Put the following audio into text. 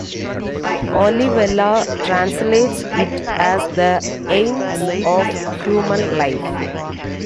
Olivelle translates it as the "aims of human life".